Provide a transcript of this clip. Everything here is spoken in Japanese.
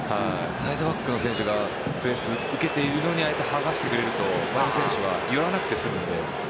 サイドバックの選手がプレスを受けているのにああやって剥がしてくれると他の選手は言わなくて済むので。